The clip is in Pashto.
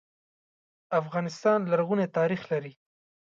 افغانستان لرغونی ناریخ لري.